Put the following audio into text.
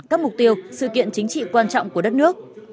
các mục tiêu sự kiện chính trị quan trọng của đất nước